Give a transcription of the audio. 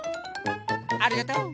ありがとう。